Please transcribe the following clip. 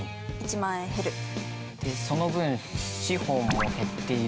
その分資本も減っている。